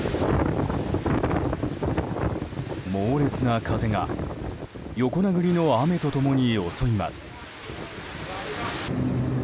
猛烈な風が横殴りの雨と共に襲います。